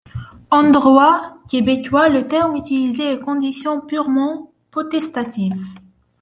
En droit québécois, le terme utilisé est condition purement potestative.